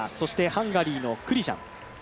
ハンガリーのクリジャン。